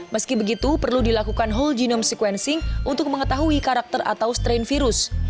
meski begitu perlu dilakukan whole genome sequencing untuk mengetahui karakter atau strain virus